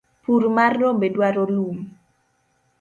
pur mar rombe dwaro lum